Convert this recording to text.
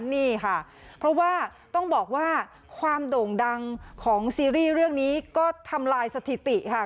นี่ค่ะเพราะว่าต้องบอกว่าความโด่งดังของซีรีส์เรื่องนี้ก็ทำลายสถิติค่ะ